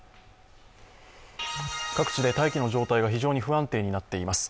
各地で待機の状態が非常に不安定になっています。